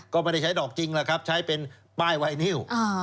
ก็ไม่ใช้ดอกจริงใช้เป็นป้ายไวนิว